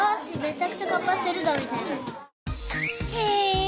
へえ。